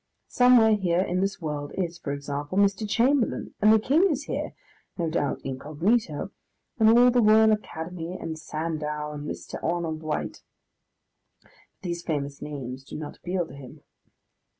Somewhere here in this world is, for example, Mr. Chamberlain, and the King is here (no doubt incognito), and all the Royal Academy, and Sandow, and Mr. Arnold White. But these famous names do not appeal to him.